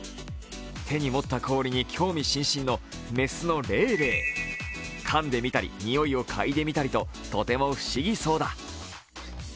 手に持った氷に興味津々の雌のレイレイ、かんでみたり、においをかいでみたりと、とても不思議そうだ。